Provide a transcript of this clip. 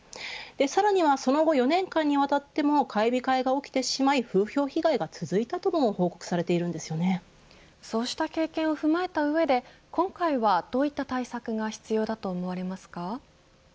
さらにはその後４年間にわたっても買い控えが起きてしまい風評被害が続いたともそうした経験を踏まえた上で今回はどういった対策が必要だと思われますか。